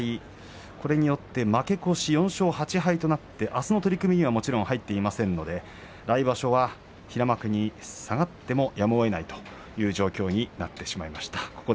これによって負け越し、４勝８敗となってあすの取組にはもちろん入っていませんので来場所は平幕に下がってもやむをえないという状況になってしまいました。